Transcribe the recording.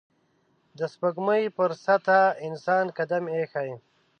د سپوږمۍ پر سطحه انسان قدم ایښی